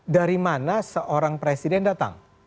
dari mana seorang presiden datang